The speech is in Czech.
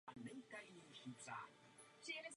Dříve byla doprava do města možná pouze po vodě.